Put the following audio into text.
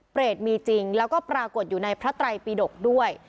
เปรตมีจริงแล้วก็ปรากฏอยู่ในพระไตรปิดกด้วย